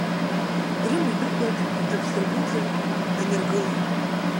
Дрыма идәықәлеит, рнапсыргәыҵа даныргылан.